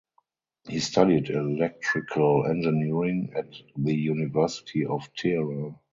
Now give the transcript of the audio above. He studied electrical engineering at the University of Tehran.